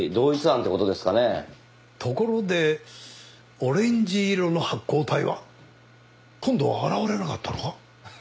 ところでオレンジ色の発光体は？今度は現れなかったのか？